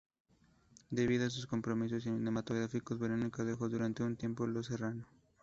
Debido a sus compromisos cinematográficos, Verónica dejó durante un tiempo "Los Serrano".